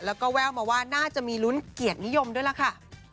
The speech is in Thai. แล้วก็แววมาว่าน่าจะมีลุ้นเกียรตินิยมด้วยล่ะค่ะ